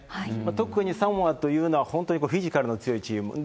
特にサモアというのは、本当にフィジカルの強いチーム。